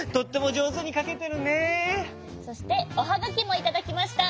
そしておはがきもいただきました。